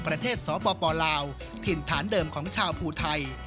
สปลาวถิ่นฐานเดิมของชาวภูไทย